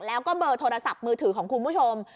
แล้วก็เบอร์โทรศัพท์มือถือของคุณผู้ชม